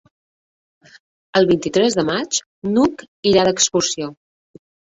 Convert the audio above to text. El vint-i-tres de maig n'Hug irà d'excursió.